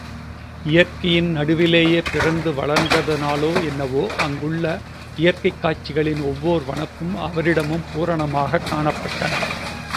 இயற்கையின் நடுவிலேயே பிறந்து வளர்ந்ததனாலோ என்னவோ அங்குள்ள இயற்கைக் காட்சிகளின் ஒவ்வோர் வனப்பும் அவரிடமும் பூரணமாகக் காணப்பட்டன.